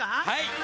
はい！